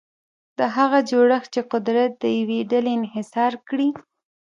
هغه جوړښت چې قدرت د یوې ډلې انحصار کړي.